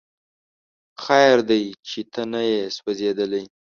خیر دی چې ته نه یې سوځېدلی